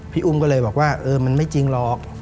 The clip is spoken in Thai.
พี่อุ้มก็เลยบอกว่าเออมันไม่จริงหรอก